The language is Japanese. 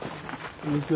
こんにちは。